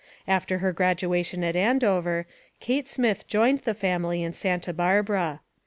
After her graduation at Andover Kate Smith joined the family in Santa Bar bara.